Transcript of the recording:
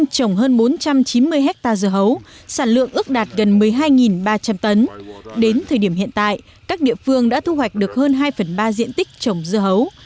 trong thời điểm hiện tại các địa phương đã thu hoạch được hơn hai phần ba diện tích trồng dưa hấu